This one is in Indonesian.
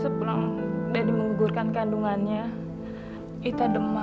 sebelum dari mengugurkan kandungannya ita demam